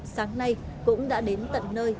sáng nay cũng đã đến tận nơi